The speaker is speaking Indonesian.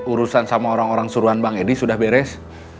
urusan sama orang orang suruhan bang edi sudah beres